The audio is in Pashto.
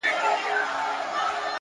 کال ته به مرمه،